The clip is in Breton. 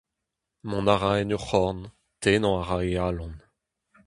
Mont a ra en ur c'horn, tennañ ra e alan.